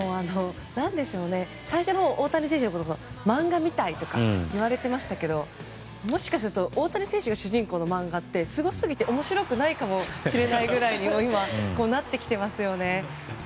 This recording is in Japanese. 最初、大谷選手のこと漫画みたいとか言われていましたけどもしかすると大谷選手が主人公の漫画ってすごすぎて面白くないかもしれないぐらいに今、なってきていますよね。